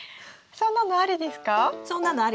そんなのありです。